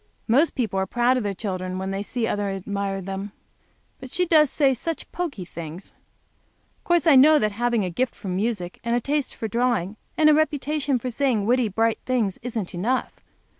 Most people are proud of their children when they see others admire them; but she does say such pokey things! Of course I know that having a gift for music, and a taste for drawing, and a reputation for saying witty, bright things isn't enough.